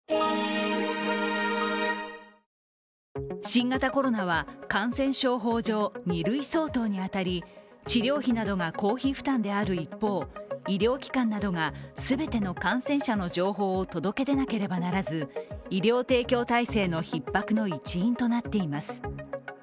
新型コロナは感染症法上２類相当に当たり、治療費などが公費負担である一方、医療機関などが全ての感染者の情報を届け出なければならず医療提供体制のひっ迫の一因となっています。